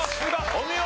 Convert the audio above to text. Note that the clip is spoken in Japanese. お見事。